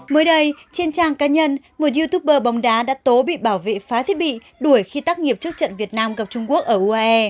mới đây trên trang cá nhân một youtuber bóng đá đã tố bị bảo vệ phá thiết bị đuổi khi tác nghiệp trước trận việt nam gặp trung quốc ở uae